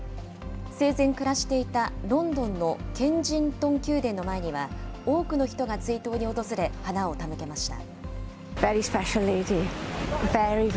生前暮らしていたロンドンのケンジントン宮殿の前には、多くの人が追悼に訪れ、花を手向けました。